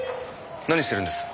何してるんです？